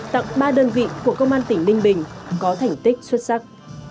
tặng ba đơn vị của công an tỉnh ninh bình có thành tích xuất sắc